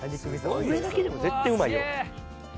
これだけでも絶対うまいよ。